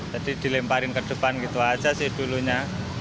jadi dilemparin ke depan gitu aja sih dulunya